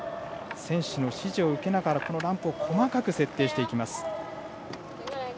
選手の指示を受けてランプの位置を細かく設定していきます。